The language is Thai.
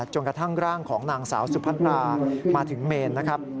กระทั่งร่างของนางสาวสุพัตรามาถึงเมนนะครับ